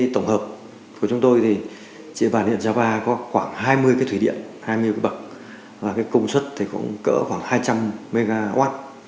tổng hợp của chúng tôi thì chỉ bản hiện java có khoảng hai mươi cái thủy điện hai mươi cái bậc và cái công suất thì cũng cỡ khoảng hai trăm linh mw